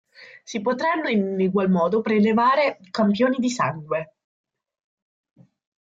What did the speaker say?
Si potranno in egual modo prelevare campioni di sangue.